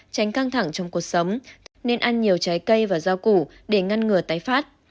tránh căng thẳng trong cuộc sống nên ăn nhiều trái cây và rau củ để ngăn ngừa tái phát